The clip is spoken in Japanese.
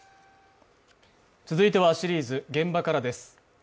続いてはシリーズ「現場から、」です。